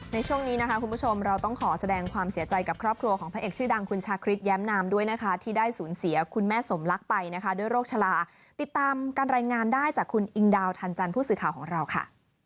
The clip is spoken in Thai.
ในช่วงนี้นะคะคุณผู้ชมเราต้องขอแสดงความเสียใจกับครอบครัวของพระเอกชื่อดังคุณชาคริสแย้มนามด้วยนะคะที่ได้สูญเสียคุณแม่สมรักไปนะคะด้วยโรคชะลาติดตามการรายงานได้จากคุณอิงดาวทันจันทร์ผู้สื่อข่าวของเราค่ะ